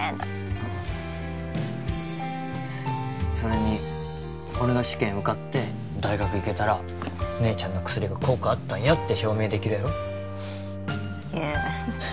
うんそれに俺が試験受かって大学行けたら姉ちゃんの薬が効果あったんやって証明できるやろ優